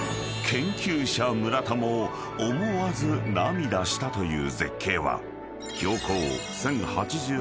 ［研究者村田も思わず涙したという絶景は］